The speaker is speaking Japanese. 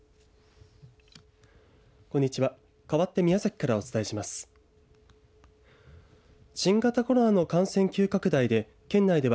こんにちは。